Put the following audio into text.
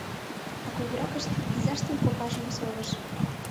А кугуракышт изаштын копажым совыш.